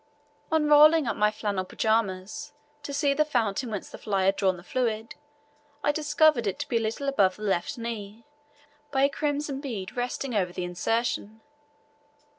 On rolling up my flannel pyjamas to see the fountain whence the fly had drawn the fluid, I discovered it to be a little above the left knee, by a crimson bead resting over the incision.